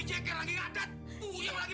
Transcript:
aku juga tidak mau kehilangan dia